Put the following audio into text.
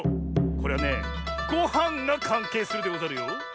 これはねごはんがかんけいするでござるよ。